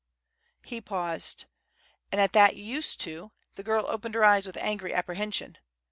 He paused; and at that "used to" the girl opened her eyes with angry apprehension.